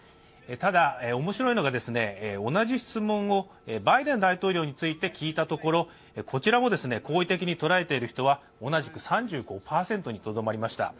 ただ、面白いのが、同じ質問をバイデン大統領について聞いたところ、こちらも好意的に捉えている人は同じく３５％にとどまりました。